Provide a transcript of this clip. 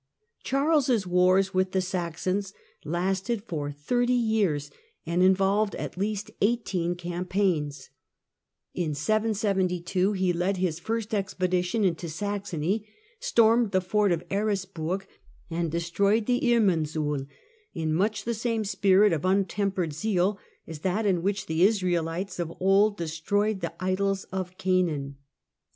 Charles' wars with the Saxons lasted for thirty years The Saxon and involved at least eighteen campaigns. In 772 he 772 ipaigDS ' led his first expedition into Saxony, stormed the fort of Eresburg and destroyed the Irminsul — in much the same spirit of untempered zeal as that in which the Israelites of old destroyed the idols of Canaan.